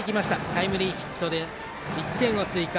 タイムリーヒットで１点を追加。